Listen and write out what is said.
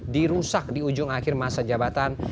di rusak di ujung akhir masa jabatan